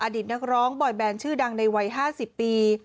ดิตนักร้องบอยแบนชื่อดังในวัย๕๐ปี